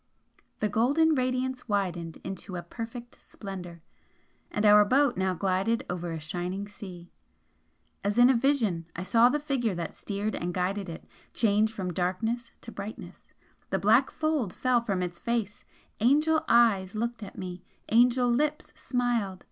The golden radiance widened into a perfect splendour, and our boat now glided over a shining sea. As in a vision I saw the figure that steered and guided it, change from darkness to brightness the black fold fell from its face Angel eyes looked at me Angel lips smiled!